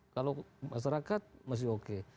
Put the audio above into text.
kalau masyarakat masih oke